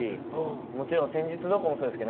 もちろん戦術どうこうもそうですけど。